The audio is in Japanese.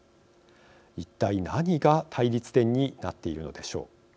一体、何が対立点になっているのでしょう。